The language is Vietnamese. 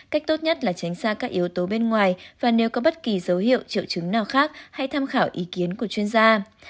cách tốt nhất là tránh xa các yếu tố bên ngoài và nếu có bất kỳ dấu hiệu triệu chứng nào khác hay tham khảo ý kiến của chuyên gia